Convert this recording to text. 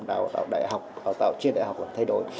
đào tạo đại học đào tạo trên đại học là thay đổi